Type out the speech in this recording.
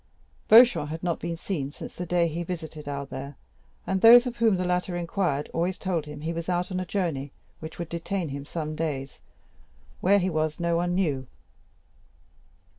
Beauchamp had not been seen since the day he visited Albert, and those of whom the latter inquired always told him he was out on a journey which would detain him some days. Where he was no one knew.